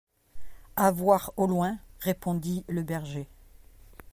À voir au loin, répondit le berger.